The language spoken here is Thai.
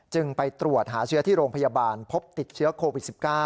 ไปตรวจหาเชื้อที่โรงพยาบาลพบติดเชื้อโควิด๑๙